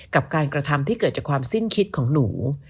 กับการกระทำที่เกิดจากความสิ้นคิดของหนู